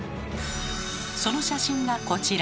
その写真がこちら。